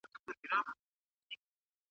آیا ته د الله د حقوقو په اړه فکر کوې؟